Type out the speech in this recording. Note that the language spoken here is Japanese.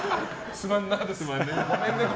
すまんな。